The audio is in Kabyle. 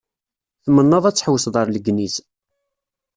Tmennaḍ-d ad tḥewwseḍ ar Legniz.